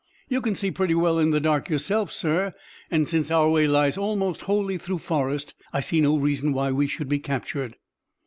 "You can see pretty well in the dark yourself, sir; and since our way lies almost wholly through forest I see no reason why we should be captured."